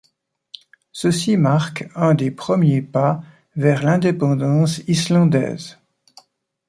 Ceci marque un des premiers pas vers l'indépendance islandaise.